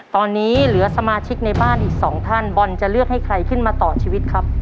ตอนนี้เหลือสมาชิกในบ้านอีกสองท่านบอลจะเลือกให้ใครขึ้นมาต่อชีวิตครับ